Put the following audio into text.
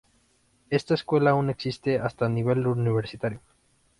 Esta escuela aún existe hasta nivel universitario.